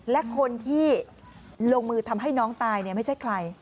และคนที่ลงมือทำให้น้องตายไม่ใช่ใคร